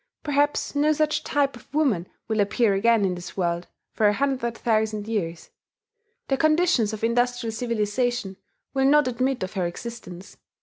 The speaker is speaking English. Perhaps no such type of woman will appear again in this world for a hundred thousand years: the conditions of industrial civilization will not admit of her existence.